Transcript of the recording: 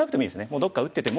どっか打ってても。